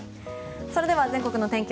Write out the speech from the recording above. それでは全国のお天気